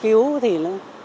đừng để chờ đến khi người ta